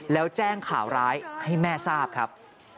แล้วแจ้งข่าวร้ายให้แม่ทราบครับ